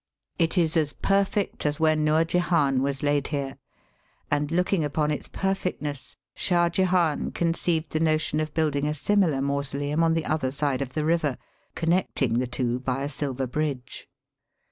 It is as perfect as when Noor Jehan was laid here, and, looking upon its perfectness, Shah Jehan conceived the notion of building a similar mausoleum on the other side of the river, connecting the two by a silver bridge.